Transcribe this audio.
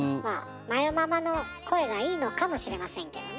まよママの声がいいのかもしれませんけどね。